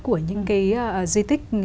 của những cái di tích